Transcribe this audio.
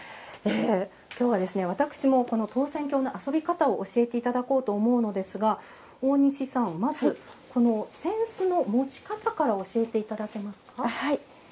きょうは私も、この投扇興の遊び方を教えていただこうと思うのですが大西さん、まず扇子の持ち方から教えていただけますか？